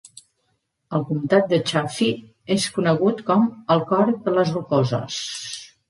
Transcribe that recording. El comtat de Chaffee és conegut com el "Cor de les Rocoses".